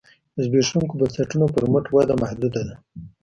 د زبېښونکو بنسټونو پر مټ وده محدوده ده